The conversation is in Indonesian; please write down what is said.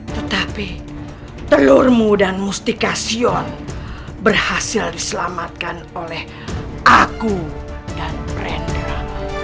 tetapi telurmu dan mustikasion berhasil diselamatkan oleh aku dan rendra